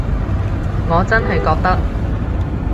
我真係覺得